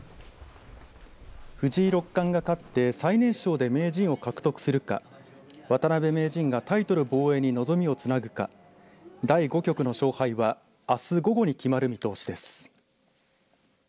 藤井六冠が勝って最年少で名人を獲得するか渡辺名人がタイトル防衛に望みをつなぐか第５局の勝敗はあす午後に決まる見通しです。